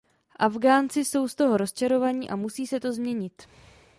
Afghánci jsou z toho rozčarovaní a musí se to změnit.